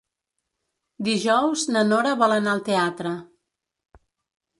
Dijous na Nora vol anar al teatre.